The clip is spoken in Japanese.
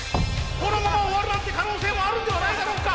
このまま終わるなんて可能性もあるんではないだろうか。